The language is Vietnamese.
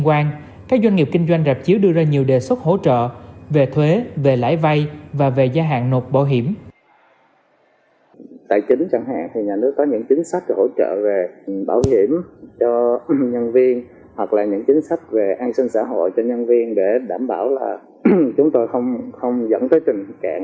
hoặc là những chính sách về an sinh xã hội cho nhân viên để đảm bảo là chúng tôi không dẫn tới trình cạn